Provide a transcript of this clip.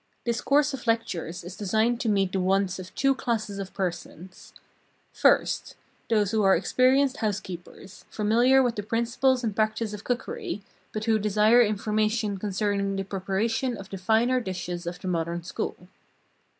This course of lectures is designed to meet the wants of two classes of persons: First Those who are experienced housekeepers, familiar with the principles and practice of cookery, but who desire information concerning the preparation of the finer dishes of the modern school.